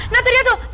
nah itu dia tuh